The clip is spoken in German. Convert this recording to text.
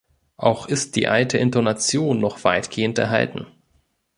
Auch ist die alte Intonation noch weitgehend erhalten.